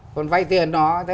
còn vay tiền nó